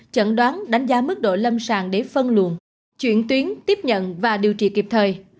chẩn đoán đánh giá mức độ lâm sàng để phân luồn chuyển tuyến tiếp nhận và điều trị kịp thời